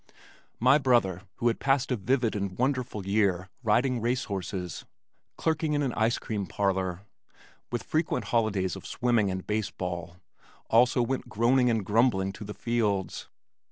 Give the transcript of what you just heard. My brother, who had passed a vivid and wonderful year riding race horses, clerking in an ice cream parlor, with frequent holidays of swimming and baseball, also went groaning and grumbling to the fields.